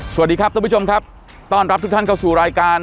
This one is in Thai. สวัสดีครับท่านผู้ชมครับต้อนรับทุกท่านเข้าสู่รายการ